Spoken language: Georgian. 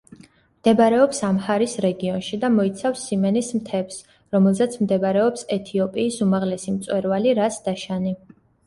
მდებარეობს ამჰარის რეგიონში და მოიცავს სიმენის მთებს, რომელზეც მდებარეობს ეთიოპიის უმაღლესი მწვერვალი რას-დაშანი.